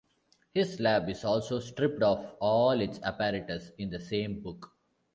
His lab is also stripped of all its apparatus in the same book.